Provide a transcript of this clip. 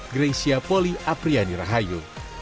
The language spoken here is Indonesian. greysia poli apriani rahayu